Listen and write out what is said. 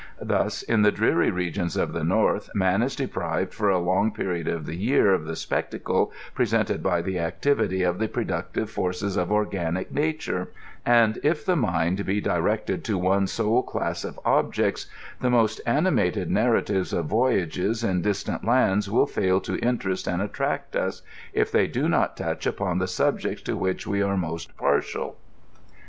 Thus, in the dreary regions of the north, man is deprived for a long period of the year of the spectacle presented by the activity of the productive forces of organic nature ; and if the mind be directed to one sole class of objects, the most animated narratives of voyages in distant lands will fail to interest and attract us, if they do not touch upon the sulijeots to which we are most partial.